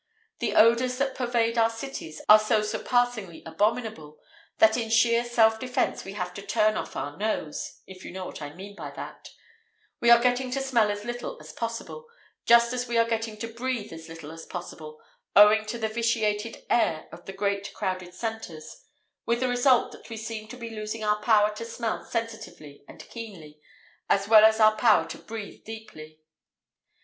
The odours that pervade our cities are so surpassingly abominable, that in sheer self defence we have to "turn off our nose," if you know what I mean by that; we are getting to smell as little as possible, just as we are getting to breathe as little as possible, owing to the vitiated air of the great crowded centres; with the result that we seem to be losing our power to smell sensitively and keenly, as well as our power to breathe deeply.